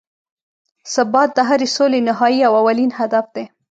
ثبات د هرې سولې نهایي او اولین هدف دی.